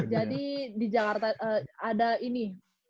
jadi di jakarta ada ini